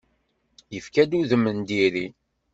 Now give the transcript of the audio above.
Yefka-d udem n diri.